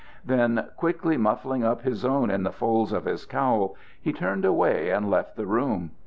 Then, quickly muffling up his own in the folds of his cowl, he turned away and left the room.